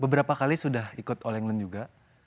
beberapa kali sudah ikut all england juga